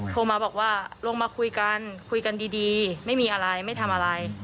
โทรมาบอกว่าลงมาคุยกันคุยกันดีไม่มีอะไรไม่ทำอะไร